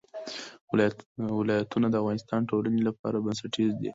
ولایتونه د افغانستان د ټولنې لپاره بنسټیز دي.